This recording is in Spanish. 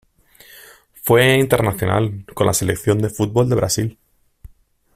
Fue internacional con la selección de fútbol de Brasil.